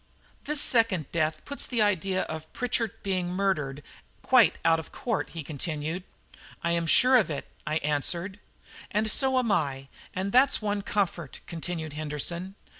"This second death puts the idea of Pritchard being murdered quite out of court," he continued. "I am sure of it," I answered. "And so am I, and that's one comfort," continued Henderson.